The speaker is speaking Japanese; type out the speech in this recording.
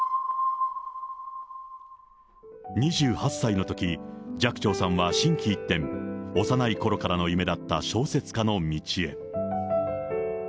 ２８歳のとき、寂聴さんは心機一転、幼いころからの夢だった小説家の道へ。